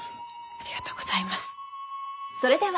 ありがとうございます。